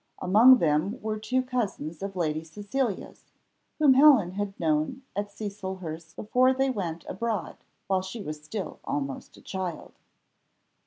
Among them were two cousins of Lady Cecilia's, whom Helen had known at Cecilhurst before they went abroad, while she was still almost a child.